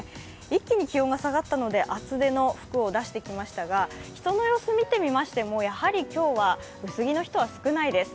一気に気温が下がったので、厚手の服を出してきましたが人の様子を見てみましてもやはり今日は薄着の人は少ないです。